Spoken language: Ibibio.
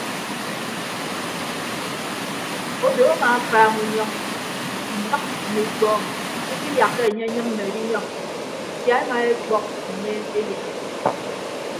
Odo amaafaaña unyọñ ndịk mme ikpọọñ ikiyakka enye enyịmme edinyọñ sia ema ekpọk enye eyaak.